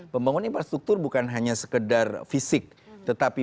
pembangunan infrastruktur bukan hanya sekedar fisik tetapi